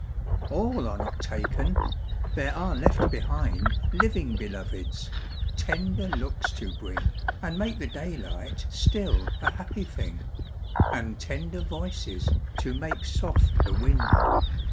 A LL are not taken ! there are left behind Living Beloveds, tender looks to bring, And make the daylight still a happy thing, And tender voices, to make soft the wind.